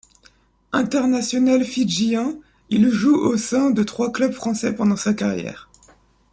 International fidjien, il joue au sein de trois clubs français pendant sa carrière.